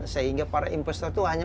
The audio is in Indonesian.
sehingga para investor itu hanya